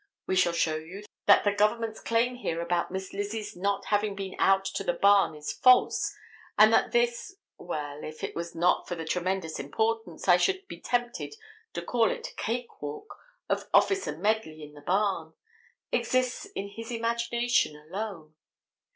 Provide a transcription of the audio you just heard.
We shall show you that the government's claim here about Miss Lizzie's not having been out to the barn is false, and that this—well, if it was not for the tremendous importance, I should be tempted to call it cakewalk of Officer Medley in the barn, exists in his imagination alone.